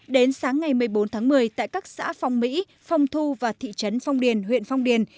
đến sáng ngày một mươi bốn tháng một mươi tại các xã phong mỹ phong thu và thị trấn phong điền huyện phong điền